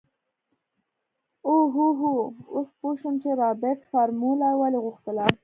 اوهوهو اوس پو شوم چې رابرټ فارموله ولې غوښتله.